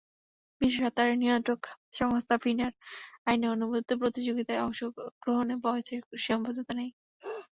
বিশ্ব সাঁতারের নিয়ন্ত্রক সংস্থা ফিনার আইনে অনুমোদিত প্রতিযোগিতায় অংশগ্রহণে বয়সের সীমাবদ্ধতা নেই।